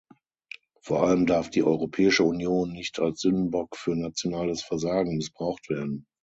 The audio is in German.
Vor allem darf die Europäische Union nicht als Sündenbock für nationales Versagen missbraucht werden.